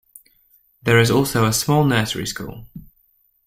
There is also a small nursery school.